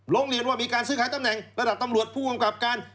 โรงเรียนว่ามีการซื้อขายตำแหน่งระดับตำลังค์ห้องกรหัสการ